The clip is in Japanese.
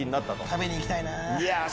食べに行きたいな。